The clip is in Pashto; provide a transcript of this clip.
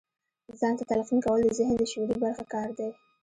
ځان ته تلقين کول د ذهن د شعوري برخې کار دی.